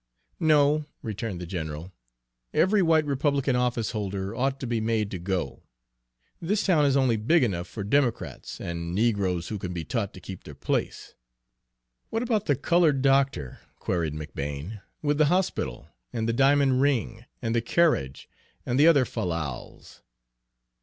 "No," returned the general, "every white Republican office holder ought to be made to go. This town is only big enough for Democrats, and negroes who can be taught to keep their place." "What about the colored doctor," queried McBane, "with the hospital, and the diamond ring, and the carriage, and the other fallals?"